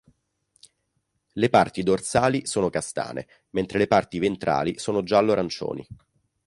Le parti dorsali sono castane, mentre le parti ventrali sono giallo-arancioni.